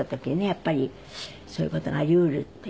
やっぱりそういう事があり得るっていう。